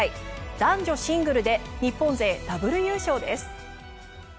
男女シングルで日本勢ダブル優勝です。